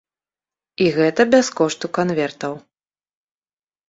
І гэта без кошту канвертаў.